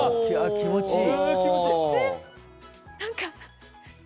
気持ちいい！